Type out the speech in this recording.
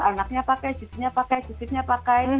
anaknya pakai cucunya pakai cucunya pakai